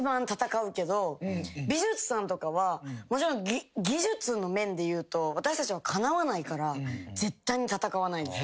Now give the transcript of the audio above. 美術さんとかはもちろん技術の面でいうと私たちはかなわないから絶対に戦わない。